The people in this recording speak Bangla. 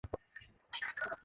বাবা, ওটা দেখ!